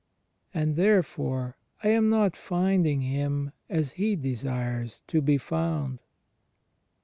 And therefore I am not finding Him as He desires to be foimd.